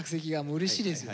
うれしいですよ。